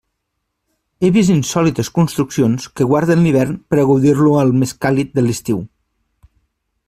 He vist insòlites construccions que guarden l'hivern per a gaudir-lo al més càlid de l'estiu.